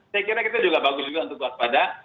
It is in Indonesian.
saya kira kita juga bagus juga untuk waspada